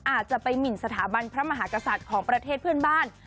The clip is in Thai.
อาจจะไปหมินสถาบันพระมหากษัตริย์ของประเทศเพื่อนบ้าน